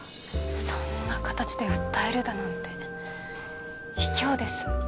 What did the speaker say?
そんな形で訴えるだなんて卑怯です